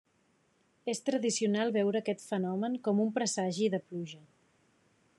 És tradicional veure aquest fenomen com un presagi de pluja.